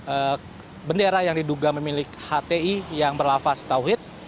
atau pembakaran yang dipercaya oleh hti yang berlafaz tauhid